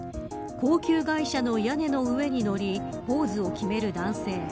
高級外車の屋根の上に乗りポーズを決める男性。